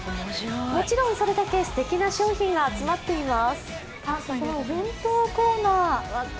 もちろん、それだけすてきな商品が集まっています。